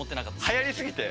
はやりすぎて？